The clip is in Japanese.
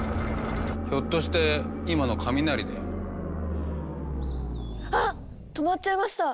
ひょっとして今の雷で？あっ止まっちゃいました！